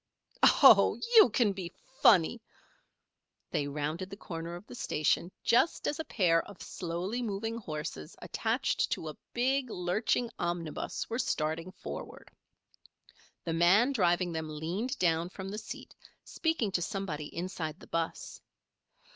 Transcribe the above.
"Oh, you can be funny " They rounded the corner of the station just as a pair of slowly moving horses attached to a big, lurching omnibus, were starting forward. The man driving them leaned down from the seat, speaking to somebody inside the 'bus.